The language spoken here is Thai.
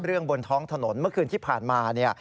เรื่องบนท้องถนนเมื่อคืนที่ผ่านมา